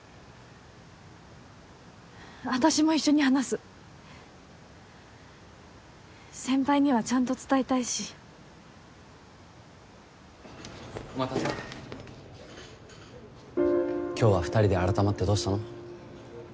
私も一緒に話す先輩にはちゃんと伝えたいしお待たせ今日は二人で改まってどうしたの？